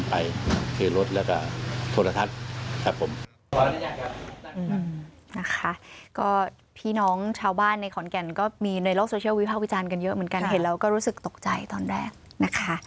นะคะก็พี่น้องชาวบ้านในขอนแก่นก็มีในโลกโซเชียลวิภาควิจารณ์กันเยอะเหมือนกันเห็นแล้วก็รู้สึกตกใจตอนแรกนะคะ